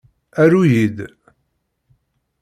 Aru-yi-d!